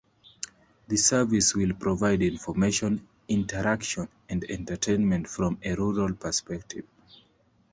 The service will provide information, interaction and entertainment from a rural perspective.